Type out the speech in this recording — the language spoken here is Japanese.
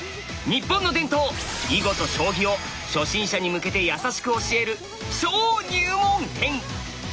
日本の伝統囲碁と将棋を初心者に向けてやさしく教える超入門編！